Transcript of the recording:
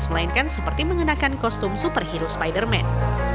melainkan seperti mengenakan kostum superhero spiderman